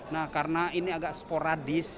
nah karena ini agak sporadis